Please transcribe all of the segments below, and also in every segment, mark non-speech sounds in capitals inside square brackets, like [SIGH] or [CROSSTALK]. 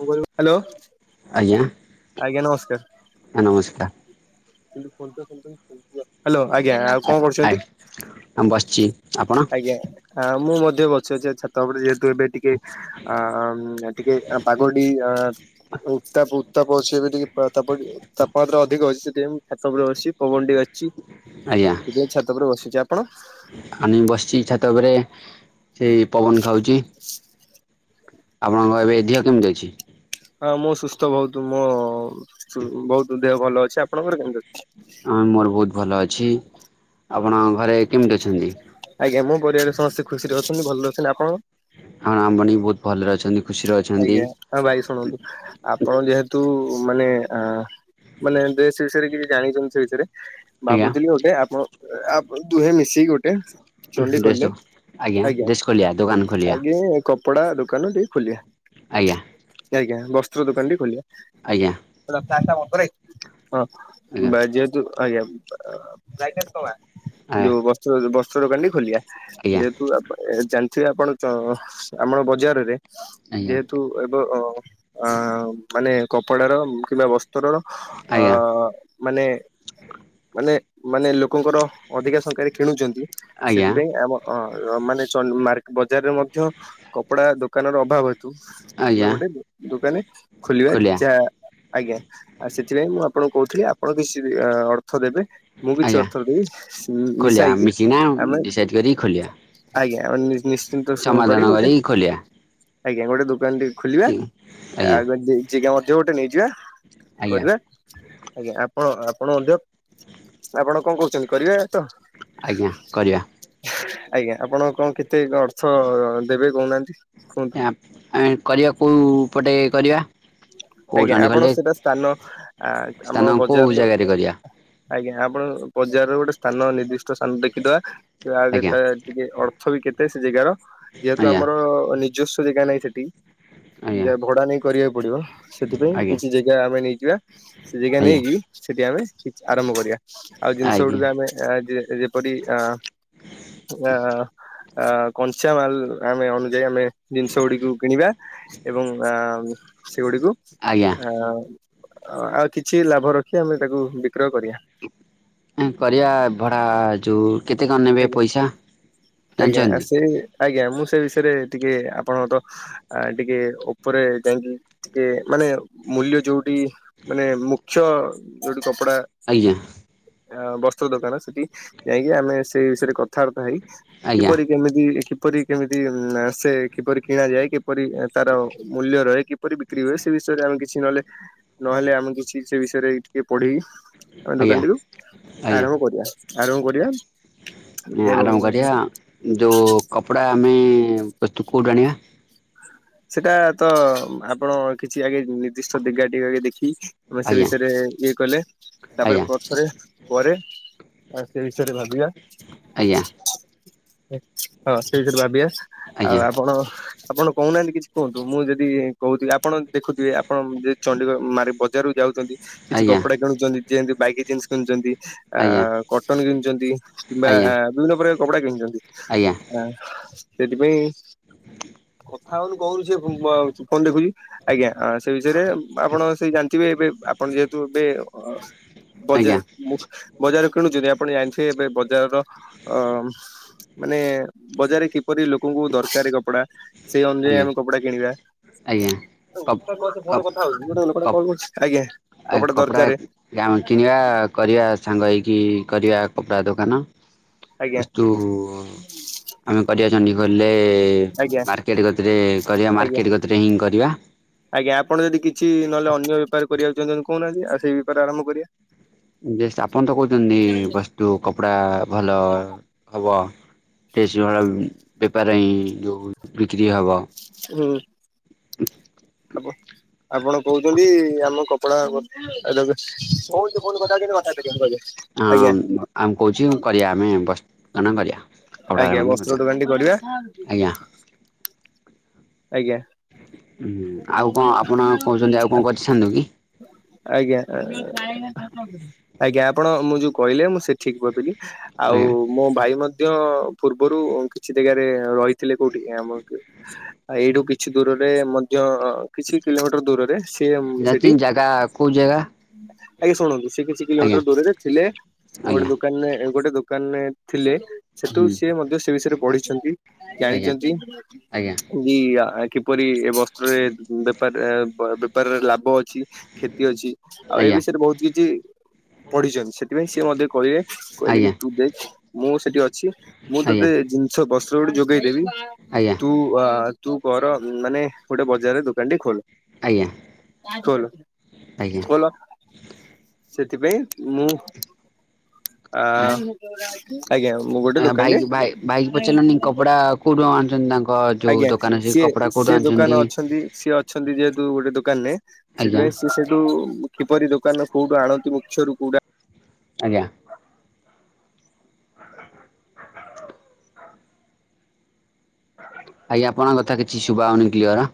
[UNINTELLIGIBLE] Hello. ଆଜ୍ଞା। ଆଜ୍ଞା ନମସ୍କାର୍। ହଁ ନମସ୍କାର୍। କିନ୍ତୁ ଫୋନ୍ ପେ [UNINTELLIGIBLE] ହାଲୋ ଆଜ୍ଞା ଆଉ କଁ ଆ କରୁଛନ୍ତି ଆମ ବସିଛି ଆପଣ ଆଜ୍ଞା। ହଁ ମୁଁ ମଧ୍ୟ ବଛି ଅଛି ଆଚ୍ଛା। ତାପରେ ଯେହେତୁ ଏବେ ଟିକେ ଆଁ ମ୍ ଟିକେ ପାଗ ଟି ଆଁ ଉତ୍ତାପ ଉତ୍ତାପ ଅଛି ଏବେ ଟିକେ ପା ତାପ ତାପମାତ୍ରା ଅଧିକ ଅଛି ସେଥିଆଇଁ ଛାତ ଉପୁରେ ବସିଚି ପବନ ଟିକେ ଅଚି ଟିକେ ଛାତ ଉପରେ ବସିଚି ଆପଣ ଆଁ ମୁଁ ବସିଚି ଛାତ ଉପରେ ସେ ପବନ ଖାଉଚି। ଆପଣଙ୍କ ଏବେ ଦିହ କେମିତି ଅଛି? ହଁ ମୁଁ ସୁସ୍ଥ ବହୁତୁ ମୋ ତୁ ବହୁତୁ ଦେହ ଭଲ ଅଛି। ଆପଣଙ୍କର କେମିତି ଅଛି? ହଁ ମୋର୍ ବହୁତ୍ ଭଲ ଅଛି। ଆପଣ ଘରେ କେମିତି ଅଛନ୍ତି? ଆଜ୍ଞା ମୋ ପରିବାର ସମସ୍ତେ ଖୁସିରେ ଅଛନ୍ତି ଭଲ ଅଛନ୍ତି ଆପଣ ହଁ ଆମ [UNINTELLIGIBLE] ବି ବହୁତ୍ ଭଲରେ ଅଛନ୍ତି। ଖୁସିରେ ଅଛନ୍ତି ଆଜ୍ଞା ହଁ ଭାଇ ଶୁଣନ୍ତୁ ଆପଣ ଯେହେତୁ ମାନେ ଆଁ ମାନେ ଦେଶ୍ ବିଷୟରେ କିଛି ଜାଣିଛନ୍ତି ସେ ବିଷୟରେ। ଆଜ୍ଞା ଭାବୁଥିଲି ଗୋଟେ ଆପ ଆପ୍ ଦୁହେଁ ମିଶି ଗୋଟେ ଡ୍ରେସ୍ ଦେଖ। ଚଣ୍ଡିଖୋଲଲେ ଆଜ୍ଞା ଡ୍ରେସ୍ ଖୋଲିବା ଦୋକାନ ଖୋଲିବା ଆଗେ କପଡା ଦୋକାନ ଟିଏ ଖୋଲିଆ। ଆଜ୍ଞା। ଆଜ୍ଞା ବସ୍ତ୍ର ଦୋକନ୍ ଟି ଖୋଲିଆ। ଆଜ୍ଞା। ହଁ ଆଜ୍ଞା ବାଇ ଯେହେତୁ ଆଜ୍ଞା ଆଜ୍ଞା ଯୋଉ ବସ୍ତ୍ର ବସ୍ତ୍ର ଦୋକାନ୍ ଟି ଖୋଲିଆ ଆଜ୍ଞା ଯେହେତୁ ଏ ଜାଣିଥିବେ ଆପଣ ତ ଆମ ବଜାରରେ ଆଜ୍ଞା ଯେହେତୁ ଏବ ଅ ଆଁ ମାନେ କପଡ଼ାର କିମ୍ବା ବସ୍ତ୍ରର ଆଜ୍ଞା ଅ ମାନେ ମାନେ ମାନେ ଲୋକ ଲୋକଙ୍କର ଅଧିକା ସଂଖ୍ୟାରେ ଖେଳୁଛନ୍ତି ଆଜ୍ଞା ସେଥିପାଇଁ ଆମ ଅଁ ମାନେ ଚ ମାନେ ମକେ ବଜାରରେ ମଧ୍ୟ କପଡା ଦୋକାନର ଅଭାବ ହେତୁ ଆମେ ଆଜ୍ଞା ଗୋଟେ ଦୋକାନ ଖୋଲିବା ଯାହା ଆଜ୍ଞା ଆ ସେଥିପାଇଁ ମୁଁ ଆପଣଙ୍କୁ କହୁଥିଲି ଆପଣ କିଛି ବି ଅର୍ଥ ଦେବେ ମୁଁ କିଛି ଆଜ୍ଞା ଅର୍ଥଦେବି ଖୋଲିବା ମିଶାଇକି ମିଶିକିନା ଆମେ ଡିସାଇଡ୍ କରି ଖୋଲିବା ଆଜ୍ଞା ଆମେ ନିଶ୍ଚିନ୍ତ ସୁଃ କରି ଗୋଟେ ଖୋଲିଆ। ଆଜ୍ଞା ଗୋଟେ ଦୋକାନ ଟେ ଖୋଲିବା ଆଜ୍ଞା ଆଉ ଜାଗା ମଧ୍ୟ ଗୋଟେ ନେଇଯିବା ଆଜ୍ଞା କରିବା ଆଜ୍ଞା ଆପଣ ଆପଣ ମଧ୍ଯ ଆପଣ କଣ କହୁଛନ୍ତି କରିବା ତ? ଆଜ୍ଞା କରିବା। ଆଜ୍ଞା ଆପଣ କଣ କେତେ ଅର୍ଥ ଦେବେ କହୁନାହାନ୍ତି? କୁହନ୍ତୁ ଆଁ ଆମେ କରିବା କୋଉ ପଟେ କରିବା? କୋଉ ଆଜ୍ଞା ଆପଣ ଚଣ୍ଡିଖୋଲରେ ସେଇଟା ସ୍ଥାନ ଆ ସ୍ଥାନ ଆମ କୋଉ ବଜାରରୁ ଜାଗାରେ କରିବା ଆଜ୍ଞା ଆପଣ ବଜାରର ଗୋଟେ ସ୍ଥାନ ନିର୍ଦ୍ଦିଷ୍ଟ ସ୍ଥାନ ଦେଖିଦବା ଆଜ୍ଞା କେ ଟିକେ ଅର୍ଥ ବି କେତେ ସେ ଜେଗାର ଯେହେତୁ ଆଜ୍ଞା ଆମର ନିଜସ୍ଵ ଜାଗା ନାହିଁ ସେଠି ଆଜ୍ଞା ଯା ଭଡା ନେଇ କରିବାକୁ ପଡିବ ସେଥିପାଇଁ ଆଜ୍ଞା କିଛି ଜାଗା ଆମେ ନେଇଯିବା। ସେ ଜାଗା ଆଜ୍ଞା ନେଇକି ସେଠି ଆମେ ଆରମ୍ଭ କରିବା ଆଉ ଜିନିଷ ଆଜ୍ଞା ଗୁଡ ଆମେ ଆ ଯେପରି ଆ ଆ କଞ୍ଚା ମାାଲ ଆମେ ଅନୁଯାୟୀ ଆମେ ଜିନିଷ ଗୁଡିକୁ କିଣିବା ଏବଂ ଆ ସେଗୁଡିକୁ ଆଜ୍ଞା ଆ ଆଉ କିଛି ଲାଭ ରଖି ଆମେ ତାକୁ ବିକ୍ରୟ କରିବା। କରିବା ଭଡା ଯୋଉ କେତେ କଣ ନେବେ ଆଜ୍ଞା। ପଇସା ଆଜ୍ଞା ଜାଣିଛନ୍ତି? ସେ ଆଜ୍ଞା ମୁଁ ସେ ବିଷୟରେ ଟିକେ ଆପଣଙ୍କ ସହିତ ଆ ଟିକେ ଉପରେ ଯାଇକି ଟିକେ ମାନେ ମୂଲ୍ୟ ଯୋଉ ଯୋ ମାନେ ମୁଖ୍ୟ ଯୋଉଠି କପଡା ଆଜ୍ଞା ଅ ବସ୍ତ୍ର ଦୋକାନ ସେଠି ଯାଇକି ଆମେ ସେଇ ବିଷୟରେ କଥାବାର୍ତ୍ତା ହେଇ ଆଜ୍ଞା କିପରି କେମିତି କିପରି କେମିତି ସେ କିପରି କିଣା ଯାଏ କିପରି ତାର ମୂଲ୍ୟ ରହେ କି କିପରି ବିକ୍ରି ହୁଏ ସେ ବିଷୟରେ ଆମ କିଛି ନହେଲେ ନହେଲେ ଆମେ କିଛି ସେ ବିଷୟରେ ଟିକେ ପଢେଇ ଆମେ ଆଜ୍ଞା ଦୋକାନଟିକୁ ଆଜ୍ଞା ଆରମ୍ଭ କରିବା ଆରମ୍ଭ କରିବା। ଏବଂ ଆରମ୍ଭ କରିବା ଯୋଉ କପଡା ଆମେ ବସ୍ତୁ କୋଉଠୁ ଆଣିବା? ସେଟା ତ ଆପଣ କିଛି ଆଗେ ନିର୍ଦ୍ଦିଷ୍ଟ ଦିଗା ଟିକେ ଆଗେ ଦେଖିକି ଆମେ ସେ ଆଜ୍ଞା ବିଷୟରେ ଇଏ କଲେ ଆଜ୍ଞା ତାପରେ ପଛରେ ପରେ ଆଉ ସେ ବିଷୟରେ ଭାବିବା। ଆଜ୍ଞା। ହଁ ସେ ବିଷୟରେ ଭାବିବା ଆଉ ଆଜ୍ଞା ଆପଣ ଆପଣ କହୁନାହାନ୍ତି କିଛି କୁହନ୍ତୁ ମୁଁ ଯଦି କହୁଛି ଆପଣ ଦେଖୁଥିବେ ଆପଣ ଯ ଚଣ୍ଡିଗଡ଼ ମାରି ବଜାରରୁ ଯାଉଛନ୍ତି କିଛି ଆଜ୍ଞା କପଡା କିଣୁଛନ୍ତି ଯେମତି ବାଇକି ଜିନ୍ସ କିଣୁଛନ୍ତି ଆ ଆଜ୍ଞା ଆଜ୍ଞା କଟନ କିଣିଛନ୍ତି କିମ୍ବା ଆଜ୍ଞା ବିଭିନ୍ନ ପ୍ରକାର କପଡା କିଣୁଛନ୍ତି ଅ ସେଥିପାଇଁ ହଁ କହୁୁ ସେ କଣ ଦେଖୁଛି ଆଜ୍ଞା ସେ ବିଷୟରେ ଆପଣ ସେ ଜାଣିଥିବେ ଏବେ ଆପଣ ଯେହେତୁ ଏବେ ଆଜ୍ଞା ବଜାର ବଜାର କିଣୁଛନ୍ତି ଆପଣ ଜାଣିଥିବେ ଏବେ ବଜାରର ଅ ମାନେ ବଜାରରେ କିପରି ଲୋକଙ୍କୁ ଦରକାର କପଡା ସେଇ ଅନୁଯାୟୀ ଆଜ୍ଞା ଆମେ କପଡା କିଣିବା। ଆଜ୍ଞା କପ୍ [UNINTELLIGIBLE] କପ୍ ଆଜ୍ଞା କପ୍ କପଡ଼ା ଦରକାର ଗାମ କିଣିବା କରିବା ସାଙ୍ଗ ହେଇକି କରିବା। କପଡ଼ା ଦୋକାନ ଆଜ୍ଞା ବସ୍ତୁ ଆମେ କରିବା ଚଣ୍ଡିଖୋଲରେ ଆଜ୍ଞା। [UNINTELLIGIBLE] ଗତିରେ କରିବା ଆଜ୍ଞା ମାର୍କେଟ୍ ଗତିରେ ହିଁ କରିବା। ଆଜ୍ଞା ଆପଣ ଯଦି କିଛି ନହେଲେ ଅନ୍ୟ ବେପାର କରିବାକୁ ଚାଛନ୍ତି କହୁନାହାନ୍ତି ଆ ସେଇ ବେପାର ଆରମ୍ କରିବା। ଆପଣ ତ କହୁଛନ୍ତି ବସ୍ତୁ କପଡା ଭଲ ହବ। ଡ୍ରେଶ ଭଲ ବେପାର ହିଁ ଯୋଉ ବିକ୍ରି ହବ। ହ [INAUDIBLE] ଆ ଆପଣ କହୁଛନ୍ତି ଆମ କପଡ଼ା [UNINTELLIGIBLE] ଆଜ୍ଞା। ଆମ କହୁଛି କରିବା ଆମେ ବସ୍ତନ କରିବା କପଡ଼ା ଆଜ୍ଞା ବସ୍ତ୍ର କରିବା ଦୋକାନଟି କରିବା। ଆଜ୍ଞା। ଆଜ୍ଞା। ହୁଁ ଆଉ କଣ ଆପଣ କହୁଛନ୍ତି ଆଉ କଣ କରିଥାନ୍ତୁ କି? ଆଜ୍ଞା ଆଜ୍ଞା ଆପଣ ମୁଁ ଯୋଉ କହିଲେ ମୁଁ ସେଠି ଠିକ ଭାବିଲି ଆଉ ଆଜ୍ଞା। ମୋ ଭାଇ ମଧ୍ୟ ପୂର୍ବରୁ କିଛି ଜାଗାରେ ରହିଥିଲେ କୋଉଠି ଆମ ଏଇଠୁ କିଛି ଦୂରରେ ଯ କିଛି କିଲୋମିଟର ଦୂରରେ ସେି ଯାଚି ସେଠି ଜାଗା କୋଉ ଜାଗା ଆଜ୍ଞା ଶୁଣନ୍ତୁ ସେ କିଛି ଆଜ୍ଞା କିଲୋମିଟର ଦୂରରେ ଥିଲେ ଗୋଟେ ଆଜ୍ଞା ଦୋକାନରେ ଗୋଟେ ଦୋ ଦୋକାନ ରେ ଥିଲେ ସେଠୁ ହୁଁ ସିଏ ମଧ୍ୟ ସେ ବିଷୟରେ ପଢିଛନ୍ତି ଆଜ୍ଞା ଜାଣିଛନ୍ତି। ଆଜ୍ଞା କି କିପରି ଏ ବସ୍ତ୍ରରେ ବେପାର ବେପାରରେ ଲାଭ ଅଛି। କ୍ଷତି ଅଛି ଆଉ ଏ ଆଜ୍ଞା ବିଷୟରେ ବହୁତ କିଛି ପଢିଛନ୍ତି ସେଥିପାଇଁ ସିଏ ମଧ୍ୟ କହିଲେ କହିଲେ କି ଆଜ୍ଞା ତୁ ଦେ ମୁଁ ସେଠି ଅଛି ମୁଁ ଆଜ୍ଞା ତୋତେ ଜିନିଷ ବସ୍ତ୍ର ଗୋଟେ ଯୋଗେଇଦେବି ଆଜ୍ଞା ଆଜ୍ଞା ତୁ ଅ ତୁ ଘର ମାନେ ଗୋଟେ ବଜାରରେ ଦୋକାନ ଖୋଲ ଆଜ୍ଞା ଖୋଲ ଖୋଲ ସେଥିପାଇଁ ମୁଁ ଆ ଆଜ୍ଞା ଆଜ୍ଞା ମୁଁ ଗୋଟେ ଦୋକାନରେ ଭାଇକି ଭାଇ ଭାଇକି ପଚାରିଲନି କପଡା କୋଉଠୁ ଆଣୁଛନ୍ତି ତାଙ୍କ ଯୋଉ ଆଜ୍ଞା ଦୋକାନ ସେ ସିଏ କପଡା କୋଉଠୁ ସିଏ ଆଣୁଛନ୍ତି ଦୋକାନ ଅଛି ସିଏ ଅଛନ୍ତି ଯେହେତୁ ଗୋଟେ ଦୋକାନ ରେ ଆଜ୍ଞା ସେଥିପାଇଁ ସ ସେଠୁ କିପରି ଦୋକାନ କୋଉଠୁ ଆଣନ୍ତି ମୁଖ୍ୟରୁ କୋଉଠା ଆଜ୍ଞା। ଆଜ୍ଞା ଆପଣଙ୍କ କଥା କିଛି ଶୁଭା ଯାଉନି କ୍ଲିୟର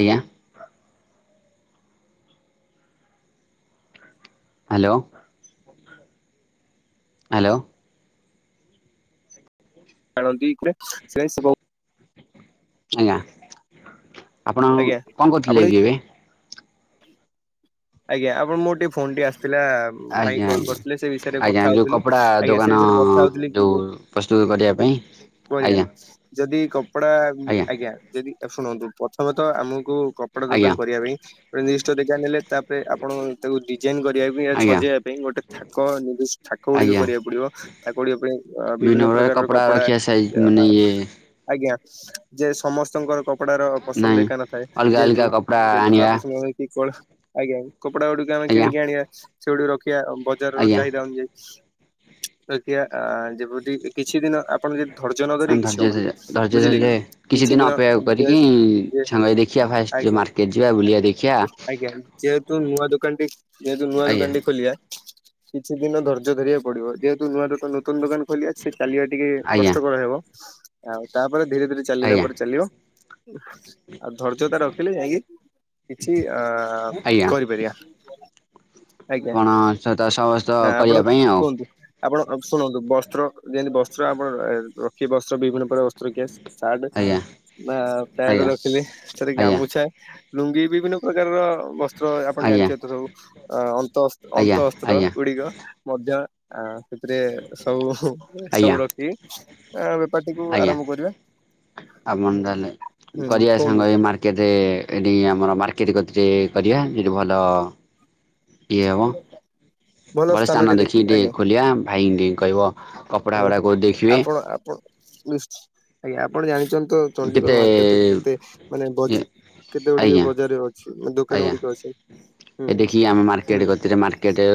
ଆଜ୍ଞା। ହ୍ୟାଲୋ ହ୍ୟାଲୋ ଆାଣନ୍ତି [UNINTELLIGIBLE] ସେ ପାଇଁ ସେ ବହୁତ୍ ଆଜ୍ଞା ଆପଣ ଆଜ୍ଞା କଣ ଆପଣ କରୁଥିଲେ କି ଏବେ? ଆଜ୍ଞା ଆପଣ ମୋର ଟିକେ ଫୋନ ଟି ଆସିଥିଲା। ଭାଇ ଆଜ୍ଞା କଲ ଆଜ୍ଞା କରିଥିଲେ ସେ ବିଷୟରେ ଆଜ୍ଞା କଥା ଯୋଉ ହଉଥିଲି। କପଡ଼ା ଆଜ୍ଞା ଦୋକାନ ସେ ବିଷୟରେ କଥା ହଉଥିଲ କି ଯୋଉ ପ୍ରସ୍ତୁତ କରିବା ପାଇଁ ବଢିଆ ଆଜ୍ଞା ଯଦି କପଡା, ଆଜ୍ଞା ଯଦି ଶୁଣନ୍ତୁ ପ୍ରଥମେ ତ ଆମକୁ କପଡା ଦୋକାନ ଆଜ୍ଞା କରିବା ପାଇଁ ଗୋଟେ ନିର୍ଦିଷ୍ଟ ଡିଜାଇନ୍ ହେଲେ ତା ଆପଣ ତାକୁ ଡିଜାଇନ କରିବା ପାଇଁ ଆଜ୍ଞା ସଜେଇବା ପାଇଁ ଗୋଟେ ଥା ଥାକ ନି ଥାକ ଗୁଡିକ ଆଜ୍ଞା କରିବାକୁ ପଡିବ ଥାକ ଗୁଡିକ ପାଇଁ ବିଭିନ୍ନ ପ୍ରକାରର କପଡା ଏ ମୁନେ ଏ ଆଜ୍ଞା ଯେ ସମସ୍ତଙ୍କର କପଡା ର ନାହିଁ। ପସନ୍ଦ ଏକା ନଥାଏ ଅଲଗା ଅଲଗା ଯେହେତୁ କପଡା ଯେ ଆଣିବା ଧଳା ପସନ୍ଦ କରେ କିଏ କଳା ଆଜ୍ଞା ଆଇ କପଡା ଗୁଡକୁ ଆମେ ଆଜ୍ଞା କିଣିକି ଆଣିବା, ସେଗୁଡିକୁ ରଖିବା ବଜାର ର ଆଜ୍ଞା ଚାହିଦା ଅନୁଯାୟୀ। ରଖିଆ ଯେମତି କିଛି ଦିନ ଆପଣ ଯଦି ଧୈର୍ଯ୍ୟ ନ ଧରିବେ ଆମେ କିଛି ଧର୍ଯ୍ୟ ହବନି। ଧରିଆ ଧର୍ଯ୍ୟ ବୁଝିଲେ କି ଧରିଲେ କିଛି ଦିନ ଅପେକ୍ଷା କରିକି ଯେ ସାଙ୍ଗ ହେଇକି ଦେଖିବା ଫାଷ୍ଟେ ଆଜ୍ଞା ମାର୍କ କେ ଯିବା ବୁଲିବା ଦେଖିିବା। ଆଜ୍ଞା ଯେହେତୁ ନୂଆ ଦୋକାନ ଟି ଯେହେତୁ ନୂଆ ଆଜ୍ଞା ଦୋକାନ ଟି ଖେଲିବା, କିଛି ଦିନ ଧର୍ଯ୍ୟ ଧରିବାକୁ ପଡିବ। ଯେହେତୁ ନୂଆ ଦୋକାନ ନୂତନ ଦୋକାନ ଖୋଲିଆ ସେ ଚାଲିବା ଟିକେ ଆଜ୍ଞା କଷ୍ଟକର ହେବ ଆଉ ତାପରେ ଧୀରେ ଧୀରେ ଚାଲିଲା ଆଜ୍ଞା ପରେ ଚାଲିବ। ଆଉ ଧୈର୍ଯ୍ୟତା ରଖିଲେ ଯାଇକି କିଛି ଅ ଆଜ୍ଞା [UNINTELLIGIBLE] ଆଜ୍ଞା ଆପଣ ସହିତ ସହସ୍ତ ଆପଣ କରିବା ପାଇଁ ଆଉ କୁହନ୍ତୁ। ଆପଣ ଶୁଣନ୍ତୁ ବସ୍ତ୍ର ଯେମିତି ବସ୍ତ୍ର ଆପଣ ର ରଖିବେ ବସ୍ତ୍ର ବିଭିନ୍ନ ପ୍ରକାର ବସ୍ତ୍ର କିୟାସ ସାଟ୍ ଆଜ୍ଞା ନା ପ୍ୟାଣ୍ଟ ଆଜ୍ଞା ରଖିଲେ ସେଥିରେ ଆଜ୍ଞା ଗାମୁଛା ଲୁଙ୍ଗି ବିଭିନ୍ନ ପ୍ରକାରର ବସ୍ ତ୍ର ଆପଣ ଆଜ୍ଞା ଜାଣିଥିବେ ତ ସବୁ ଅ ଅନ୍ତ ଆଜ୍ଞା ଅନ୍ତଃସ୍ତ୍ର ଗୁଡିକ ମଧ୍ୟ ଆ ସେଥିରେ ସବୁ ସବୁ ଆଜ୍ଞା ରଖିବେ। ଆ ବେ ଆଜ୍ଞା ଆପଣ ତାହଲେ ହୁଁ କରିବା କୁହନ୍ତୁ ସାଙ୍ଗ ହେଇକି ମାର୍କେ କେଟେ ଏଠି ଆମର ମାର୍କେଟେ କତିରେ କରିବା ଏଠି ଭଲ ଇଏ ହେବ ଭଲ ସ୍ଥାନଟେ ସ୍ଥାନ ଦେଖି ଦେଖିକି ଆଜ୍ଞା ଟିକେ ଖୋଲିବା ଭାଇ ଙ୍କି କହିବ କପଡ଼ା ଆଜ୍ଞା ଗୁଡ଼ାକ ଦେଖିବେ ଆପଣ ଆପଣ [UNINTELLIGIBLE] ଆଜ୍ଞା ଆପଣ ଜାଣିଛନ୍ତି ତ କେତେ ଚଣ୍ଡିଗଡ଼ ମାର୍କେଟରେ କେତେ ମାନେ ବଜେ କେତେ ଗୁଡିକେ ଆଜ୍ଞା ବଜାରରେ ଅଛି ଦୋକାନ ଆଜ୍ଞା ଗୁଡିକ ଅଛି। ହୁଁ ଏ ଦେଖି ଆମେ ହୁଁ ମାର୍କେଟ୍ କତି କେଟେ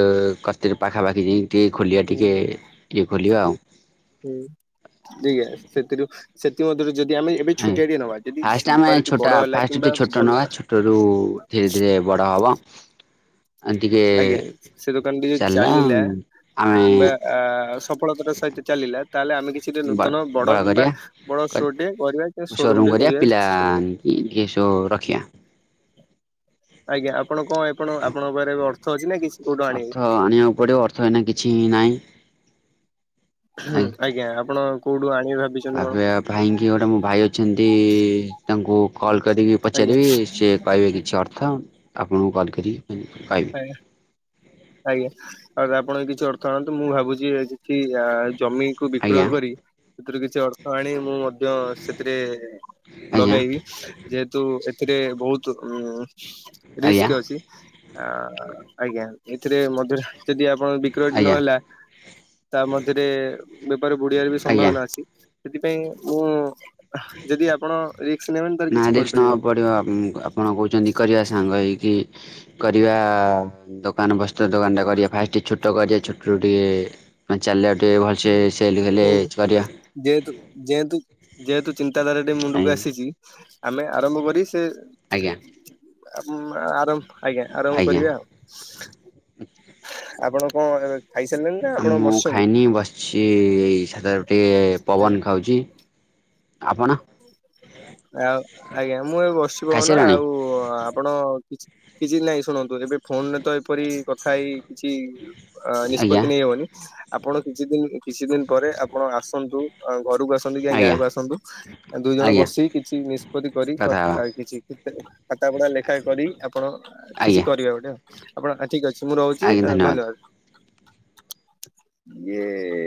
କତିରେ ପାଖାପାଖି ଯାଇକି ଟିକେ ଖୋଲିବା ହୁଁ ଟିକେ ଇଏ ଖୋଲିବା ଆଉ। ହୁଁ [UNINTELLIGIBLE] ସେଥିରୁ ସେଥି ମଧ୍ୟରୁ ଯଦି ଆମେ ଏବେ ଆଜ୍ଞା ଛୋଟିଆଟି ନବା ଯଦି ଫାଷ୍ଟ ସେ ବେପାରଟି ବଡ ହେଲା କିମ୍ବା ଭଲ ରୁ ଧୀରେ ଧୀରେ ବଡ ହବ ଆଜ୍ଞା ସେ ଦୋକାନ ଟିକେ ଚାଲିଲା ଆମେ ବା ସପ ଫଳତା ସହିତ ଚାଲିଲା ତାହେଲେ ଆମେ କିଛି ନୂତନ ବଡ ବଡ଼ କିମ୍ବା କରିବା ବଡ ସୋ ଟେ କରିବା ସୋରୁମ୍ ଟେ କରିବା ଚେଷ୍ଟା କରିବା। ଏ ଏଶୁ ରଖିଆ। ଆଜ୍ଞା ଆପଣ କଣ ଏପଣ ଆପଣଙ୍କ ପାରେ ଅର୍ଥ ଅଛି ନା କିଛି କୋଉଠୁ ଆଣିବେ ଅର୍ଥ ଆଣିବାକୁ ପଡିବ ଅର୍ଥ ହେଇନା କିଛି ନହିଁ। ହୁଁ ଆଜ୍ଞା ଆପଣ କୋଉଠୁ ଆଣିବେ ଭାବିଛ ଭାବିବା ପାଇଁକି ଗୋଟେ ମୋ ଭାଇ ଅଛନ୍ତି ତାଙ୍କୁ କଲ୍ କରିକି ଆଜ୍ଞା ପଚାରିବି ସେ କହିବେ କିଛି ଅର୍ଥ ଆପଣଙ୍କୁ କଲ୍ କରିକିକହିବି। ଆଜ୍ଞା ଆଜ୍ଞା ଆପଣ କିଛି ଅର୍ଥ ଆଣନ୍ତୁ ମୁଁ ଭାବୁଛି କି ଆ ଜମିକୁୁ ବିକ୍ରୟ ଆଜ୍ଞା କରି ସେଥିରୁ କିଛି ଅର୍ ତ ଆଣି ମୁଁ ମଧ୍ୟ ସେଥିରେ ଆଜ୍ଞା ଲଗେଇବି ଯେହେତୁ ଏ ଏଥିରେ ବହୁତ୍ ଉ ଆଜ୍ଞା ରିସ୍କ ଅଛି। ଆ ଆଜ୍ଞା ଏଥିରେ ମଧ୍ୟରେ ଯଦି ଆ ଆପଣଙ୍କ ବିକ୍ରୟଟି ଆଜ୍ଞା ନହେଲା ତାମଧ୍ୟରେ ବେପାର ବୁଢିବାରବି ଆଜ୍ଞା ସମ୍ଭାବନା ଅଛି। ସେଥିପାଇଁ ମୁଁ ଯଦି ଆପଣ ରିକ୍ସ ନେବେନି ତାହେଲେ ନା କିଛି ରିକ୍ସ କରିପାରିବେନି। [UNINTELLIGIBLE] ଆପଣ କହୁଛନ୍ତି କରିବା ସାଙ୍ଗ ହେଇକି କରିବା ଦ ଦୋକାନ ବସ୍ତ୍ର ଦୋକାନଟା ଫାଷ୍ଟ ଟିକେ ଛୋଟ କରିବା ଛୋଟରୁ ଟିକେ ମାନେ ଚାଲିବା ଟିକେ ଭଲସେ ସେଲ୍ ହେଲେ ହୁଁ କରିବା ଯେହେତୁ ଯେହେତୁ ଯେହେତୁ ଚିନ୍ତାଧାରାଟି ମୁଣ୍ଡକୁଆସିଛି। ଆମେ ଆରମ୍ଭକରି ସେ ଆଜ୍ଞା। ଆପ ଆରମ୍ ଆଜ୍ଞା ଆରମ୍ଭ ଆଜ୍ଞା କରିବା ଆଉ। ହୁଁ ହଁ ଆପଣ କଣ ଏବେ ଖାଇସାରିଲେଣି ନା ଆପଣ ବସିଛନ୍ତି। ସିଏଇ ସାଧା ରୁଟି ଆଜ୍ଞା। ପବନ ଖାଉଛି ଆପଣ। ଆଉ ଆଜ୍ଞା ମୁଁ ଏବେ ବସିଚି କହୁନ ଖାଇସାରିଲାଣି? ଆଉ। ଆପଣ କିଛି କିଛି ନାଇଁ ଶୁଣନ୍ତୁ ଏବେ ଫୋନ୍ ରେ ତ ଏପରି କଥାହେଇ କିଛି ଅ ଆଜ୍ଞା ନିଷ୍ପତ୍ତି ନେଇହବନି ଆପଣ କିଛିଦିନି କିଛି ଦିନି ପରେ ଆପଣ ଆସନ୍ତୁ ଘରକୁ ଆସନ୍ତୁ କି ଗାଁ ଆଜ୍ଞା କୁ ଆସନ୍ତୁ। ଦୁଇକୁ ଆଜ୍ଞା ଜଣବସିକି କିଛି ନିଷ୍ପତ୍ତିକରି ଆ କଥା କିଛି କରିବ। ଖାତା ପଢଡା ଲେଖା କରି ଆପଣ କିଛି ଆଜ୍ଞା କରିବା ଗୋଟେ ଆଉ। ଆପଣ ଠିକ ଅଛି ମୁଁ ରହୁଛି ଧନ୍ୟବାଦ ଇଏ।